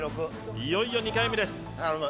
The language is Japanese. いよいよ２回目です・頼む